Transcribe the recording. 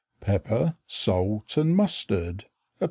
Pepper, salt, and mustard, 1d.